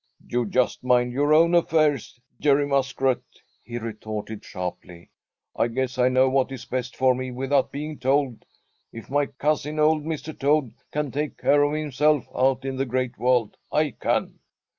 "You just mind your own affairs, Jerry Muskrat," he retorted sharply. "I guess I know what is best for me without being told. If my cousin, old Mr. Toad, can take care of himself out in the Great World, I can.